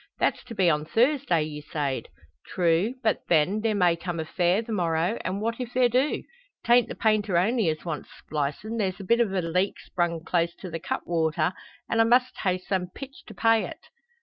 "That's to be on Thursday, ye sayed?" "True; but, then, there may come a fare the morrow, an' what if there do? 'Tain't the painter only as wants splicin', there's a bit o' a leak sprung close to the cutwater, an' I must hae some pitch to pay it."